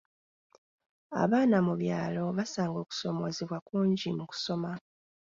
Abaana mu byalo basanga okusoomoozebwa kungi mu kusoma.